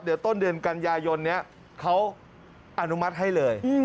เดี๋ยวต้นเดือนกันยายนนี้เขาอนุมัติให้เลย